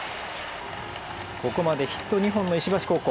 ここまでヒット２本の石橋高校。